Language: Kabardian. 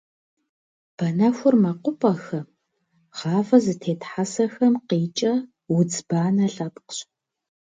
Банэхур мэкъупӏэхэм, гъавэ зытет хьэсэхэм къикӏэ удз банэ лъэпкъщ.